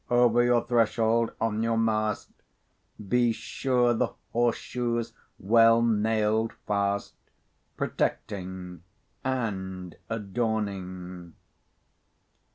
Over your threshold, on your mast, Be sure the horse shoe's well nailed fast, Protecting and adorning.